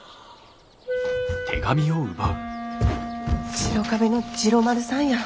白壁の治郎丸さんや。